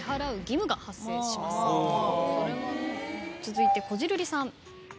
続いてこじるりさん。